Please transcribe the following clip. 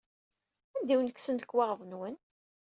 Anda i wen-kksen lekwaɣeḍ-nwen?